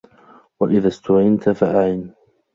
وَإِذَا اُسْتُعِنْتَ فَأَعِنْ